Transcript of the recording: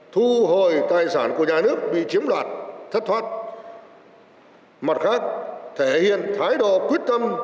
thu hồi tài sản của nhà nước bị chiếm đoạt thất thoát mặt khác thể hiện thái độ quyết tâm